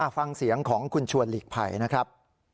ฟังเสียงของคุณชวนหลีกภัยนะครับ